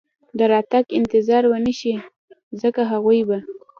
د راتګ انتظار و نه شي، ځکه هغوی به.